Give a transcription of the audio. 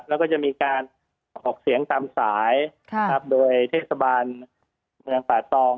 แล้วก็จะมีการออกเสียงตามสายโดยเทศบาลเมืองป่าตอง